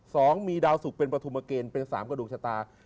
สองมีดาวสุกเป็นปฐุมเกณฑ์เป็นสามกระดูกชะตา